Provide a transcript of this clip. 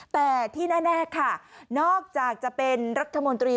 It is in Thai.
แต่ที่แน่ค่ะนอกจากจะเป็นรัฐมนตรี